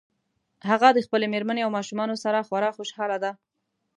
هغه د خپلې مېرمنې او ماشومانو سره خورا خوشحاله ده